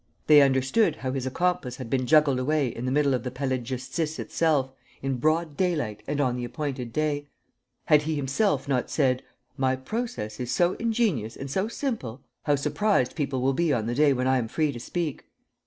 They understood how his accomplice had been juggled away in the middle of the Palais de Justice itself, in broad daylight and on the appointed day. Had he himself not said: "My process is so ingenious and so simple. ... How surprised people will be on the day when I am free to speak!